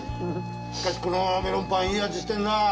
しかしこのメロンパンいい味してるなあ。